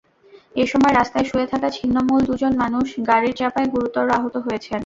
এসময় রাস্তায় শুয়ে থাকা ছিন্নমূল দুজন মানুষ গাড়ির চাপায় গুরুতর আহত হয়েছেন।